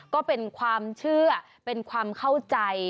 ก็เป็นความเชื่อเป็นความเข้าใจ